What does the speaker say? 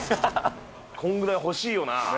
こんぐらい欲しいよな。